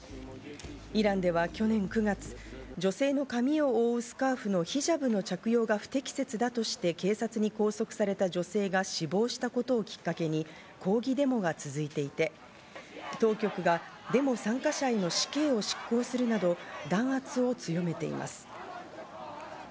イランでは去年９月、女性の髪を覆うスカーフのヒジャブの着用が不適切だとして警察に拘束された女性が死亡したことをきっかけに抗議デモが続いていて、当局がデモ参加者への死刑を執行するなど、弾圧を強めています。